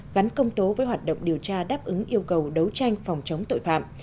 gắn công tố với hoạt động điều tra đáp ứng yêu cầu đấu tranh phòng chống tội phạm